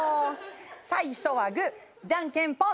最初はグーじゃんけんぽん。